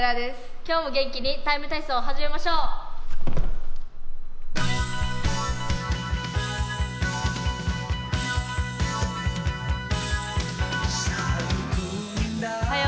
今日も元気に「ＴＩＭＥ，体操」を始めましょう。